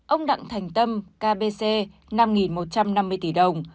ông đặng thành tâm kbc năm một trăm năm mươi tỷ đồng